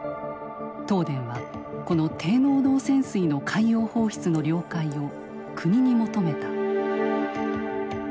東電はこの低濃度汚染水の海洋放出の了解を国に求めた。